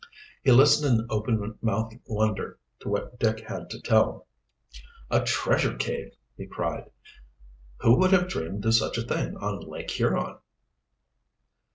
He listened in open mouthed wonder to what Dick had to tell. "A treasure cave!" he cried. "Who would have dreamed of such a thing on Lake Huron!"